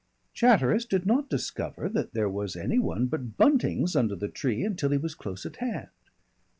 Chatteris did not discover that there was any one but Buntings under the tree until he was close at hand.